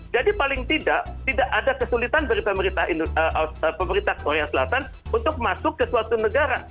jadi paling tidak tidak ada kesulitan dari pemerintah korea selatan untuk masuk ke suatu negara